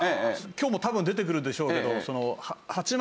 今日も多分出てくるでしょうけど。